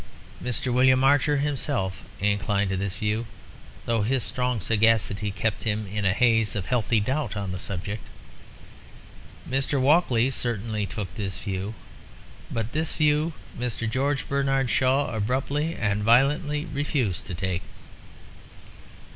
Mr. William Archer himself inclined to this view, though his strong sagacity kept him in a haze of healthy doubt on the subject. Mr. Walkley certainly took this view. But this view Mr. George Bernard Shaw abruptly and violently refused to take.